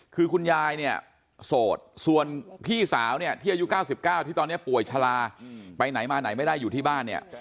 คือคุณยายเนี่ยโสดส่วนพี่สาวเนี่ยที่อายุ๙๙ที่ตอนนี้ป่วยชะลาไปไหนมาไหนไม่ได้อยู่ที่บ้านเนี่ย